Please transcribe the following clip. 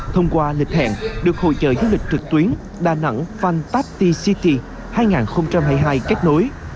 thông qua lịch hẹn được hội trợ du lịch trực tuyến đà nẵng frank papt city hai nghìn hai mươi hai kết nối